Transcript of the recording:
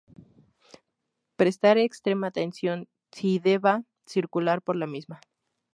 Prestar extrema atención si deba circular por la misma.